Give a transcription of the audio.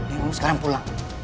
ini kamu sekarang pulang